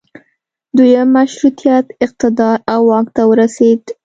دویم مشروطیت اقتدار او واک ته ورسید.